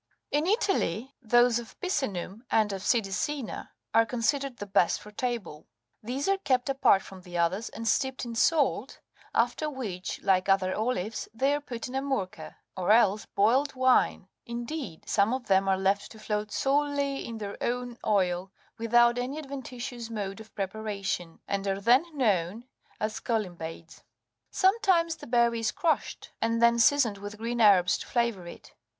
In Italy, those of Picenum and of Sidicina37 are considered the best for table. These are kept apart from the others and steeped in salt, after which, like other olives, they are put in amurca, or else boiled wine ; indeed, some of them are left to float solely in their own oil,38 without any adventitious mode of preparation, and are then known as colymbades : sometimes the berry is crushed, and then seasoned with green herbs to flavour it.